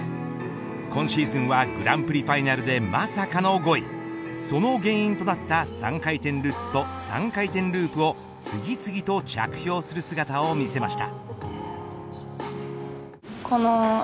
今シーズンはグランプリファイナルでまさかの５位その原因となった３回転ルッツと３回転ループを次々と着氷する姿を見せました。